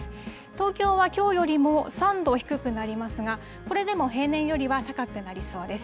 東京はきょうよりも３度低くなりますが、これでも平年よりは高くなりそうです。